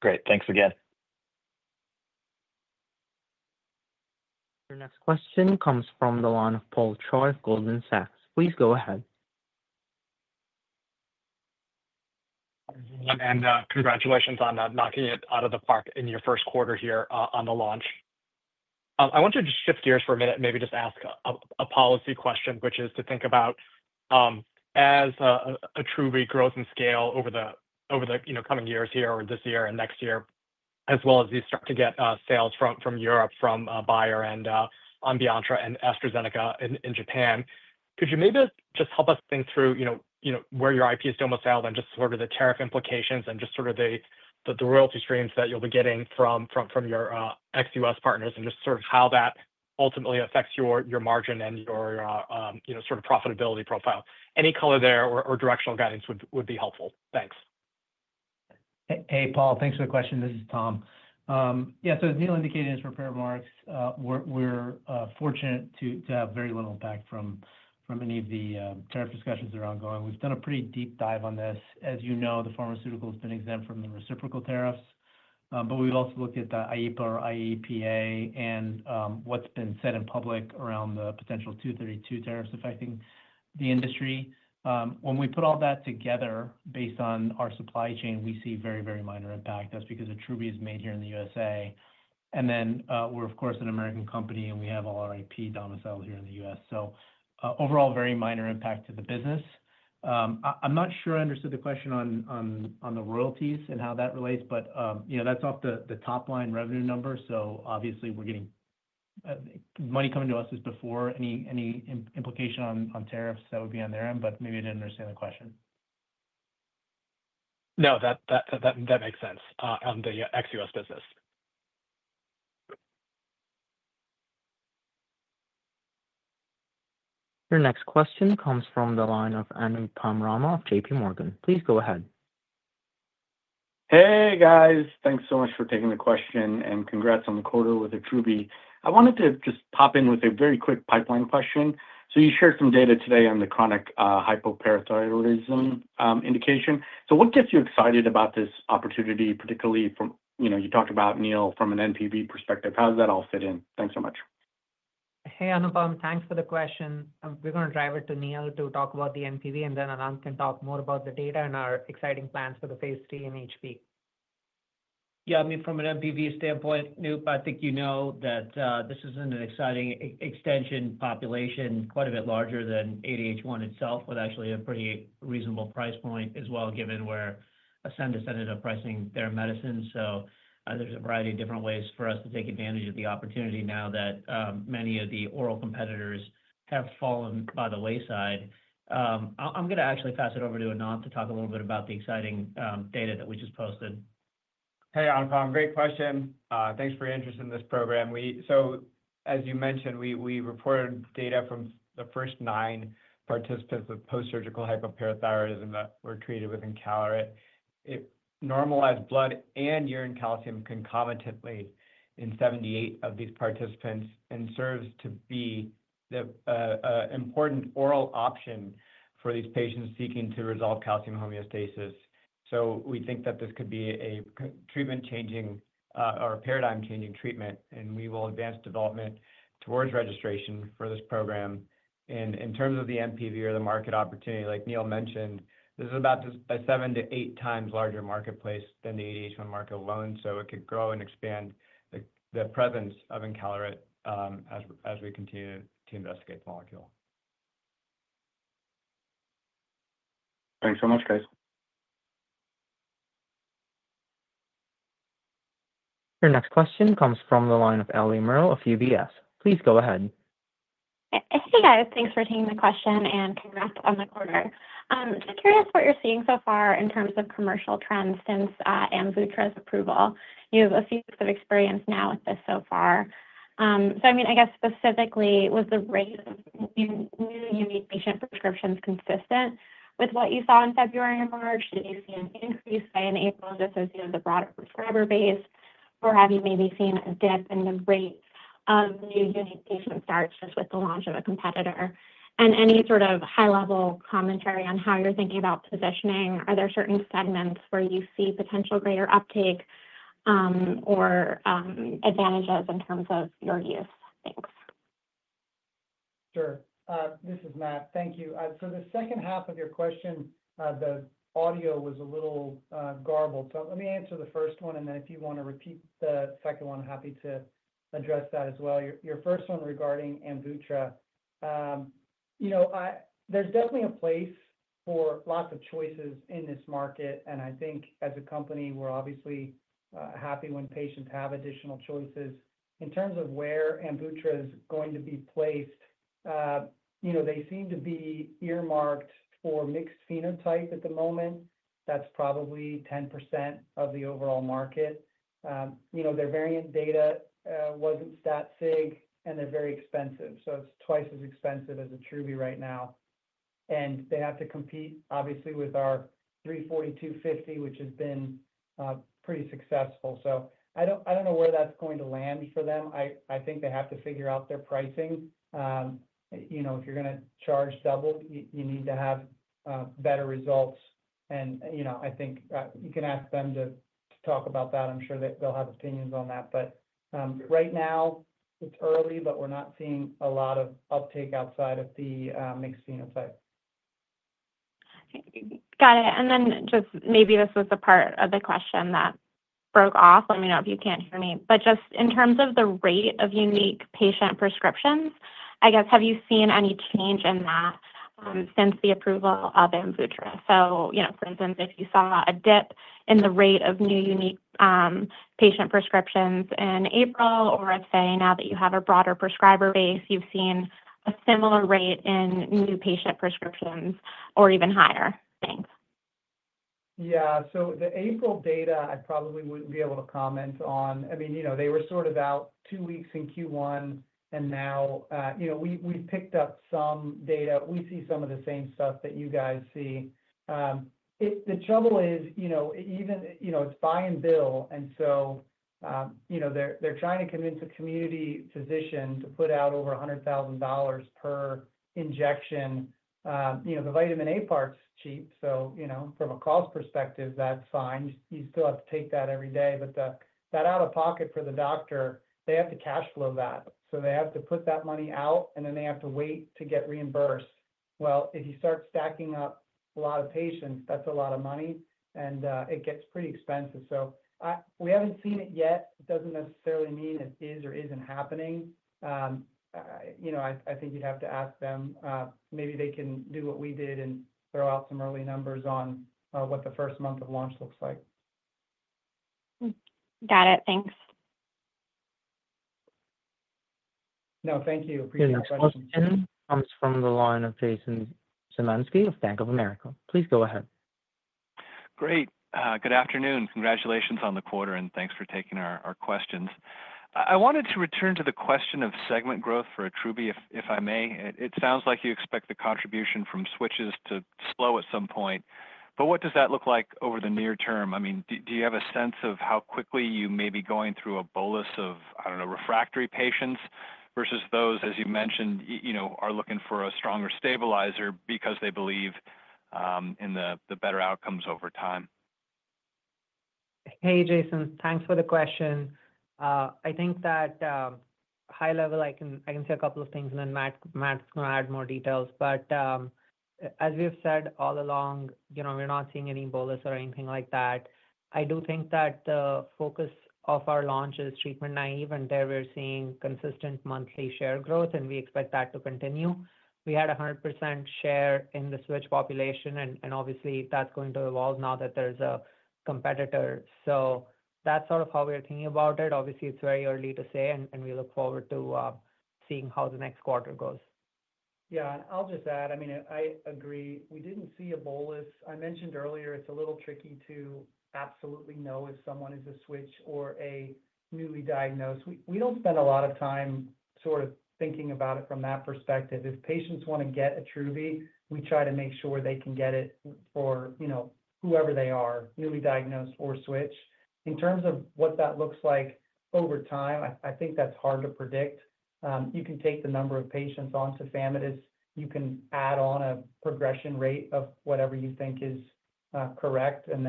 Great. Thanks again. Your next question comes from the line of Paul Choi of Goldman Sachs. Please go ahead. Congratulations on knocking it out of the park in your first quarter here on the launch. I want to just shift gears for a minute and maybe just ask a policy question, which is to think about, as Attruby grows in scale over the coming years here or this year and next year, as well as you start to get sales from Europe, from Bayer and Ambianta and AstraZeneca in Japan, could you maybe just help us think through where your IP is domiciled and just sort of the tariff implications and just sort of the royalty streams that you'll be getting from your ex-US partners and just sort of how that ultimately affects your margin and your sort of profitability profile? Any color there or directional guidance would be helpful. Thanks. Hey, Paul. Thanks for the question. This is Tom. Yeah. As Neil indicated in his prepared remarks, we're fortunate to have very little impact from any of the tariff discussions that are ongoing. We've done a pretty deep dive on this. As you know, the pharmaceutical has been exempt from the reciprocal tariffs. We've also looked at the IEPA and what's been said in public around the potential 232 tariffs affecting the industry. When we put all that together, based on our supply chain, we see very, very minor impact. That's because Attruby is made here in the US. We're, of course, an American company, and we have all our IP domiciled here in the US. Overall, very minor impact to the business. I'm not sure I understood the question on the royalties and how that relates, but that's off the top-line revenue number. Obviously, money coming to us is before any implication on tariffs that would be on their end, but maybe I didn't understand the question. No, that makes sense on the ex-U.S. business. Your next question comes from the line of Anupam Rama of JPMorgan. Please go ahead. Hey, guys. Thanks so much for taking the question and congrats on the quarter with Attruby. I wanted to just pop in with a very quick pipeline question. You shared some data today on the chronic hypoparathyroidism indication. What gets you excited about this opportunity, particularly from, you talked about, Neil, from an NPV perspective? How does that all fit in? Thanks so much. Hey, Anupam. Thanks for the question. We're going to drive it to Neil to talk about the NPV, and then Ananth can talk more about the data and our exciting plans for the phase three and HP. Yeah. I mean, from an NPV standpoint, Neil, I think you know that this is an exciting extension population, quite a bit larger than ADH1 itself, with actually a pretty reasonable price point as well, given where Ascend is headed up pricing their medicine. There is a variety of different ways for us to take advantage of the opportunity now that many of the oral competitors have fallen by the wayside. I'm going to actually pass it over to Ananth to talk a little bit about the exciting data that we just posted. Hey, Anupam. Great question. Thanks for your interest in this program. As you mentioned, we reported data from the first nine participants with post-surgical hypoparathyroidism that were treated with Encaleret. Normalized blood and urine calcium concomitantly in seven of these participants and serves to be an important oral option for these patients seeking to resolve calcium homeostasis. We think that this could be a treatment-changing or paradigm-changing treatment, and we will advance development towards registration for this program. In terms of the NPV or the market opportunity, like Neil mentioned, this is about a seven- to eight-times larger marketplace than the ADH1 market alone. It could grow and expand the presence of Encaleret as we continue to investigate the molecule. Thanks so much, guys. Your next question comes from the line of Ellie Merle of UBS. Please go ahead. Hey, guys. Thanks for taking the question and congrats on the quarter. Just curious what you're seeing so far in terms of commercial trends since Attruby's approval. You have a few weeks of experience now with this so far. I mean, I guess specifically, was the rate of new unique patient prescriptions consistent with what you saw in February and March? Did you see an increase by April just associated with a broader prescriber base? Have you maybe seen a dip in the rate of new unique patient starts just with the launch of a competitor? Any sort of high-level commentary on how you're thinking about positioning? Are there certain segments where you see potential greater uptake or advantages in terms of your use? Thanks. Sure. This is Matt. Thank you. The second half of your question, the audio was a little garbled. Let me answer the first one, and then if you want to repeat the second one, I'm happy to address that as well. Your first one regarding Ambutra. There is definitely a place for lots of choices in this market. I think as a company, we are obviously happy when patients have additional choices. In terms of where Ambutra is going to be placed, they seem to be earmarked for mixed phenotype at the moment. That is probably 10% of the overall market. Their variant data was not stat-sig, and they are very expensive. It is twice as expensive as Attruby right now. They have to compete, obviously, with our 340, 250, which has been pretty successful. I do not know where that is going to land for them. I think they have to figure out their pricing. If you are going to charge double, you need to have better results. I think you can ask them to talk about that. I'm sure they'll have opinions on that. Right now, it's early, but we're not seeing a lot of uptake outside of the mixed phenotype. Got it. Maybe this was the part of the question that broke off. Let me know if you can't hear me. Just in terms of the rate of unique patient prescriptions, I guess, have you seen any change in that since the approval of Attruby? For instance, if you saw a dip in the rate of new unique patient prescriptions in April, or if, say, now that you have a broader prescriber base, you've seen a similar rate in new patient prescriptions or even higher? Thanks. Yeah. The April data, I probably wouldn't be able to comment on. I mean, they were sort of out two weeks in Q1, and now we've picked up some data. We see some of the same stuff that you guys see. The trouble is it's buy and bill. They're trying to convince a community physician to put out over $100,000 per injection. The vitamin A part's cheap. From a cost perspective, that's fine. You still have to take that every day. That out-of-pocket for the doctor, they have to cash flow that. They have to put that money out, and then they have to wait to get reimbursed. If you start stacking up a lot of patients, that's a lot of money, and it gets pretty expensive. We haven't seen it yet. It doesn't necessarily mean it is or isn't happening. I think you'd have to ask them. Maybe they can do what we did and throw out some early numbers on what the first month of launch looks like. Got it. Thanks. No, thank you. Appreciate your questions. Neil, Anupam, Chinmay, comes from the line of Jason Szymanski of Bank of America. Please go ahead. Great. Good afternoon. Congratulations on the quarter, and thanks for taking our questions. I wanted to return to the question of segment growth for Attruby, if I may. It sounds like you expect the contribution from switches to slow at some point. What does that look like over the near term? I mean, do you have a sense of how quickly you may be going through a bolus of, I do not know, refractory patients versus those, as you mentioned, are looking for a stronger stabilizer because they believe in the better outcomes over time? Hey, Jason, thanks for the question. I think that high level, I can say a couple of things, and then Matt's going to add more details. As we've said all along, we're not seeing any bolus or anything like that. I do think that the focus of our launch is treatment naive, and there we're seeing consistent monthly share growth, and we expect that to continue. We had a 100% share in the switch population, and obviously, that's going to evolve now that there's a competitor. That's sort of how we're thinking about it. Obviously, it's very early to say, and we look forward to seeing how the next quarter goes. Yeah. I'll just add, I mean, I agree. We didn't see a bolus. I mentioned earlier, it's a little tricky to absolutely know if someone is a switch or a newly diagnosed. We do not spend a lot of time sort of thinking about it from that perspective. If patients want to get Attruby, we try to make sure they can get it for whoever they are, newly diagnosed or switch. In terms of what that looks like over time, I think that is hard to predict. You can take the number of patients on tafamidis. You can add on a progression rate of whatever you think is correct and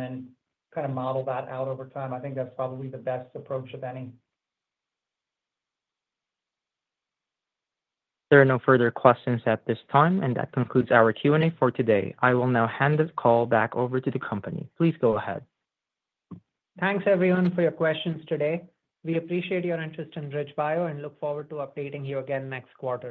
then kind of model that out over time. I think that is probably the best approach of any. There are no further questions at this time, and that concludes our Q&A for today. I will now hand the call back over to the company. Please go ahead. Thanks, everyone, for your questions today. We appreciate your interest in BridgeBio and look forward to updating you again next quarter.